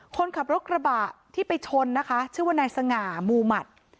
คนขับรถกระบะที่ไปชนนะคะชื่อว่านายสง่ามูหมัด